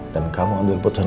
dan kamu ambil keputusan